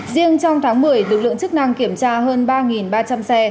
riêng trong tháng một mươi lực lượng chức năng kiểm tra hơn ba ba trăm linh xe